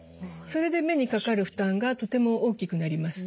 それで目にかかる負担がとても大きくなります。